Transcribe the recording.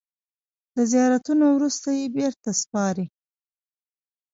د زیارتونو وروسته یې بېرته سپاري.